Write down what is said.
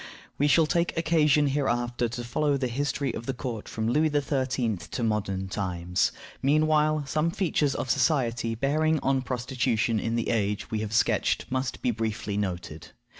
We shall take occasion hereafter to follow the history of the court from Louis XIII. to modern times. Meanwhile, some features of society bearing on prostitution in the age we have sketched must be briefly noted.